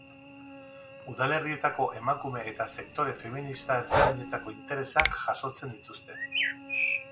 Udalerrietako emakume eta sektore feminista ezberdinetako interesak jasotzen dituzte.